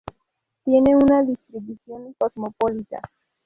Tienen una distribución cosmopolita.